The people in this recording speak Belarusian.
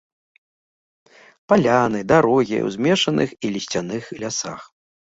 Паляны, дарогі ў змешаных і лісцяных лясах.